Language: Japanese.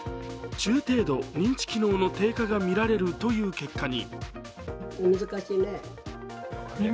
中程度認知機能の低下がみられるという結果に。